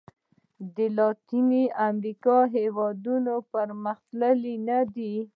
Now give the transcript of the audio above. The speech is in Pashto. د لاتیني امریکا هېوادونو پرمختللي نه دي.